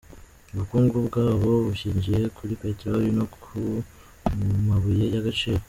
Ubukungu bwabo bushyingiye kuri Petroli no ku mabuye y’agaciro.